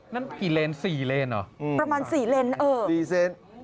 นั่นกี่เลนส์สี่เลนส์อ่ะอืมประมาณสี่เลนส์เออสี่เซนต์